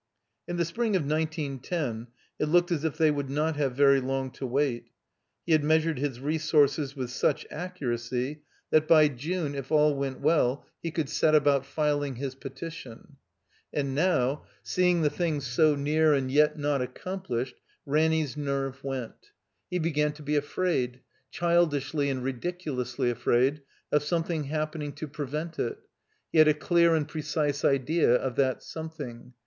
In the spring of nineteen ten it looked as if they would not have very long to wait. He had meas ured his resources with such accuracy that by Jime, 310 THE COMBINED MAZE if all went well, he could set about filing his pe tition. . And now, seeing the thing so near and yet not accomplished, Ranny's nerve went. He began to be afraid, childishly and ridiculously afraid, of some thing happening to prevent it. He had a clear and precise idea of that something.